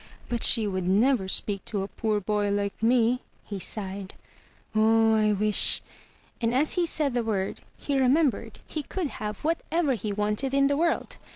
"But she would never speak to a poor boy like me," he sighed. "Oh, I wish—;" and as he said the word, he remembered he could have whatever he wanted in the world.